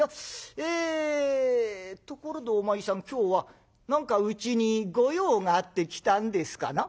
ええところでお前さん今日は何かうちに御用があって来たんですかな？」。